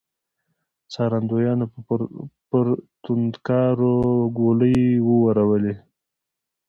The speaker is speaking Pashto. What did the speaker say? څارندويانو پر توندکارو ګولۍ وورولې.